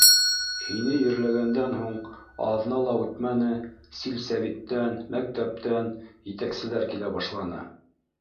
Һине ерләгәндән һуң аҙна ла үтмәне, силсәвиттән, мәктәптән етәкселәр килә башланы.